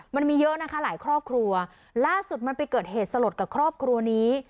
มันมีเยอะนะคะหลายครอบครัวล่าสุดมันไปเกิดเหตุสลดกับครอบครัวนี้